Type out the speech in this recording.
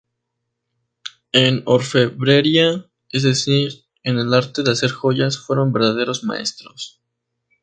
En orfebrería, es decir, en el arte de hacer joyas, fueron verdaderos maestros.